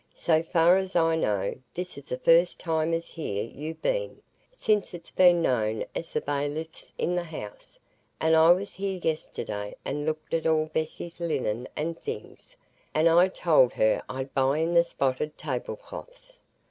So far as I know, this is the first time as here you've been, since it's been known as the bailiff's in the house; and I was here yesterday, and looked at all Bessy's linen and things, and I told her I'd buy in the spotted tablecloths.